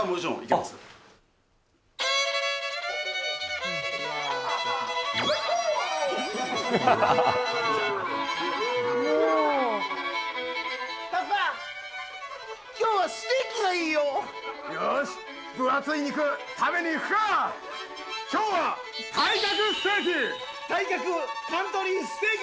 きょうは体格ステーキ。